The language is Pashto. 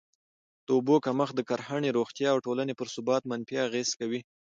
د اوبو کمښت د کرهڼې، روغتیا او ټولني پر ثبات منفي اغېز کوي.